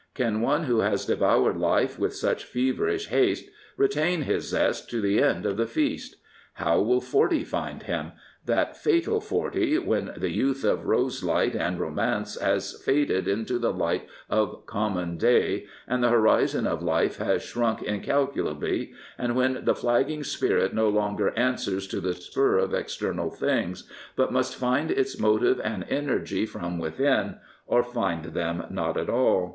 Can one who has devoured life with such feverish haste retain his zest to the end of the feast? How will forty find him? — that fatal forjy when the youth of roselight and romance has faded into the light of common day and the horizon of life has shrunk incalculably, and when the flagging spirit no longer answers to the spur of external things, but must find its motive and energy from within, or find them not at all.